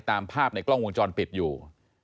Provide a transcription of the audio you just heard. ตามภาพในกล้องวงจรปิดอยู่